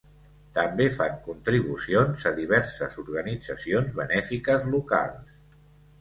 També fan contribucions a diverses organitzacions benèfiques locals.